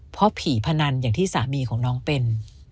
เพราะผีพนันอย่างที่สามีของน้องเป็น